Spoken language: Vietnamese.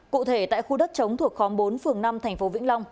cụ thể tại khu đất chống thuộc khóm bốn phường năm thành phố vĩnh long